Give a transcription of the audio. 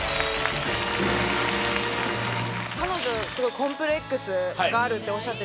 彼女コンプレックスがあるっておっしゃってて。